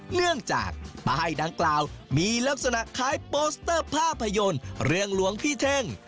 เนื่องจากป้ายดังกล่าวมีลักษณะคล้ายโปสเตอร์ภาพยนตร์เรื่องหลวงพี่เท่ง